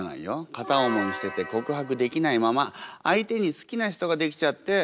片思いしてて告白できないまま相手に好きな人ができちゃってあきらめなきゃいけない。